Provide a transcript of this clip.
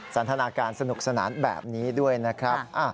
สันทนาการสนุกสนานแบบนี้ด้วยนะครับ